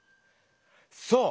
そう！